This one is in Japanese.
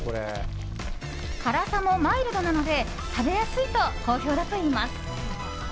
辛さもマイルドなので食べやすいと好評だといいます。